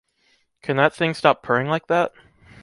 Can that thing stop purring like that?